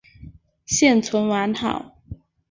现存完好。